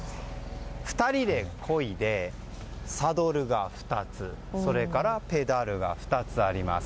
２人でこいで、サドルが２つそれから、ペダルが２つあります。